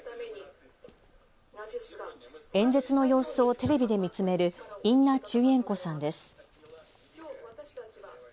演説の様子をテレビで見つめるインナ・チュイエンコさんです。